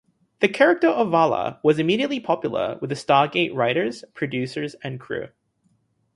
The character of Vala was immediately popular with the "Stargate" writers, producers and crew.